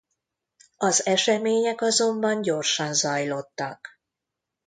Az események azonban gyorsan zajlottak.